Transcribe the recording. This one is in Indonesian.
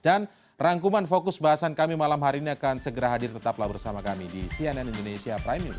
dan rangkuman fokus bahasan kami malam hari ini akan segera hadir tetaplah bersama kami di cnn indonesia prime news